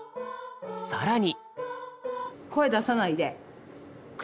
更に。